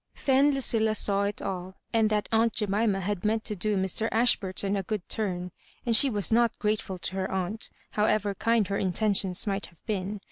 Then Lucilla saw it all, and that aunt Jemima had meant to do Mr. Ashburton a good tum« And she was not grateful to her aunt, however kind her intentions might have been.